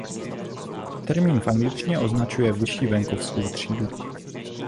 Termín v angličtině označuje vyšší venkovskou třídu.